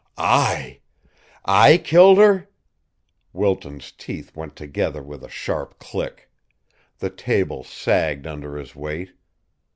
"I! I killed her!" Wilton's teeth went together with a sharp click; the table sagged under his weight.